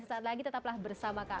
sesaat lagi tetaplah bersama kami